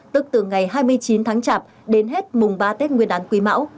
tức từ ngày hai mươi chín tháng chạp đến hết mùng ba tết nguyên đán quý mão